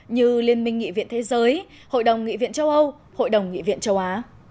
như liên minh nghị viện thế giới hội đồng nghị viện châu âu hội đồng nghị viện châu á